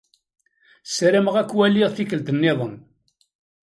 Sarameɣ ad k-waliɣ tikkelt-nniḍen.